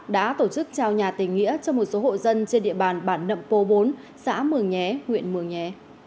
đã tổ chức trao nhà tình nghĩa cho một số hộ dân trên địa bàn bản nậm pô bốn xã mường nhé huyện mường nhé